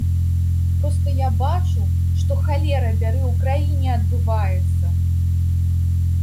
Проста я бачу, што, халера бяры, у краіне адбываецца!